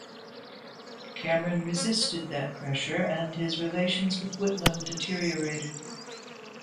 Cameron resisted that pressure, and his relations with Whitlam deteriorated.